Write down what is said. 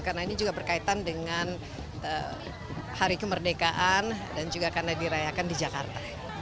karena ini juga berkaitan dengan hari kemerdekaan dan juga karena dirayakan di jakarta